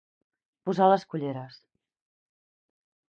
Posar les colleres.